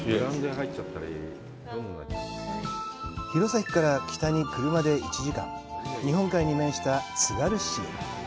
弘前から北に車で１時間、日本海に面した、つがる市へ。